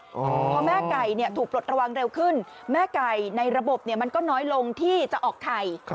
พอแม่ไก่ถูกปลดระวังเร็วขึ้นแม่ไก่ในระบบมันก็น้อยลงที่จะออกไข่